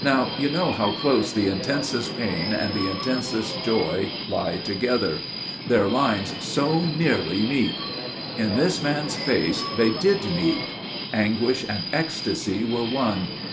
"Now you know how close the intensest pain and the intensest joy lie together. Their lines so nearly meet. In this man's face they did meet. Anguish and ecstasy were one.